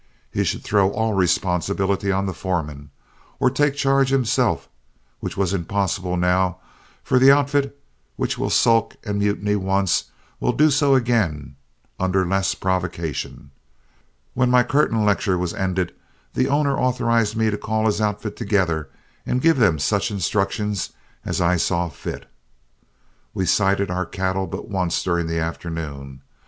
He should throw all responsibility on the foreman, or take charge himself, which was impossible now; for an outfit which will sulk and mutiny once will do so again under less provocation. When my curtain lecture was ended, the owner authorized me to call his outfit together and give them such instructions as I saw fit. We sighted our cattle but once during the afternoon.